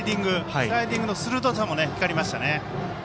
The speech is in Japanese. スライディングの鋭さも光りましたね。